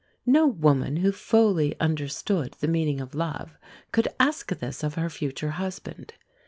No woman who fully understood the meaning of love could ask this of her future husband.